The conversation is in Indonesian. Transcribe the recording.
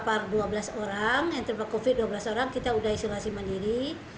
kita sudah papar dua belas orang yang terpaksa covid sembilan belas dua belas orang kita sudah isolasi mandiri